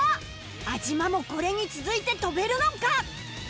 安嶋もこれに続いて跳べるのか？